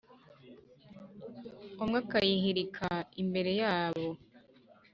umwe akayihirika imbere yabo